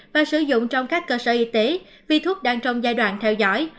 và sử dụng trong các cơ sở y tế vì thuốc đang trong giai đoạn theo dõi